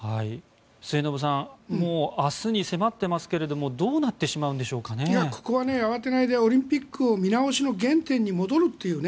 末延さん明日に迫っていますがここは慌てないでオリンピックの見直しを原点に戻るというね。